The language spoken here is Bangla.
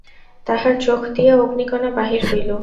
তাঁহার চোখ দিয়া অগ্নিকণা বাহির হইল।